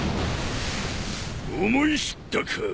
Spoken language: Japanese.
思い知ったか。